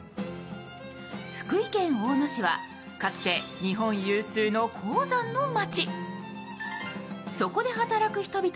福井県大野市は、かつて日本有数の鉱山の町。